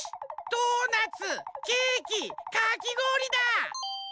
ドーナツケーキかきごおりだ！